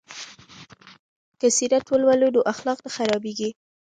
که سیرت ولولو نو اخلاق نه خرابیږي.